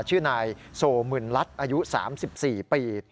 ชื่อนายโซมึนรัฐอายุ๓๔ปี